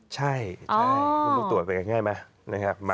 ใช่คุณรู้ตรวจเป็นกันง่ายไหม